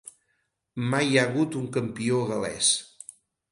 Mai hi ha hagut un campió gal·lès.